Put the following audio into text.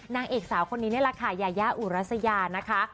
นางเอกสาวคนนี้นี่แหละค่ะยายาอุรัสยานะคะ